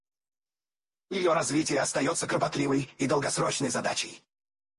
Ее развитие остается кропотливой и долгосрочной задачей.